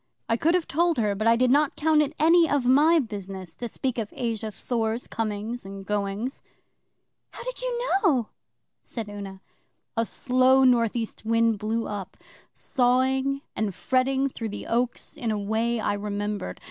'I could have told her, but I did not count it any of my business to speak of Asa Thor's comings and goings. 'How did you know?' said Una. 'A slow North East wind blew up, sawing and fretting through the oaks in a way I remembered.